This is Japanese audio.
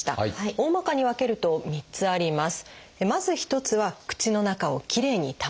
おおまかに分けると３つあります。